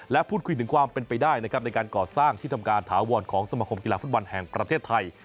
และพูดคุยถึงความเป็นไปได้นะครับในการก่อสร้างที่ทำการถาวรของสมคมกีฬาฟุตบอลแห่งประเทศไทย